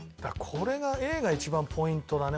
これがＡが一番ポイントだね